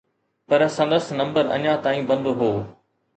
پر سندس نمبر اڃا تائين بند هو.